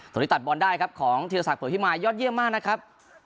ตัดบอลได้ครับของธีรศักดิเผื่อพิมายยอดเยี่ยมมากนะครับ